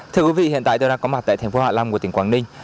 thưa quý vị hiện tại tôi đang có mặt tại thành phố hạ long của tỉnh quảng ninh